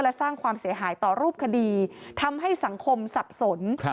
และสร้างความเสียหายต่อรูปคดีทำให้สังคมสับสน